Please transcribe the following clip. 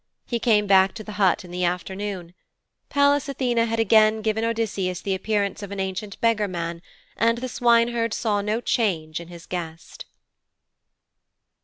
He came back to the hut in the afternoon. Pallas Athene had again given Odysseus the appearance of an ancient beggar man and the swineherd saw no change in his guest.